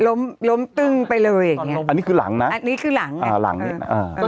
ล้มล้มตึ้งไปเลยอย่างเงี้ยอันนี้คือหลังนะอันนี้คือหลังอ่าหลังเนี้ยอ่า